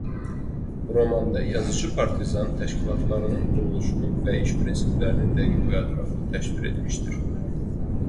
Romanda yazıçı partizan təşkilatlarının quruluşunu və iş prinsiplərini dəqiq və ətraflı təsvir etmişdir.